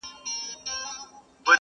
د جلادانو له تېغونو بیا د ګور تر کلي؛